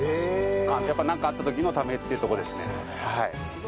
やっぱ何かあった時のためっていうとこですね。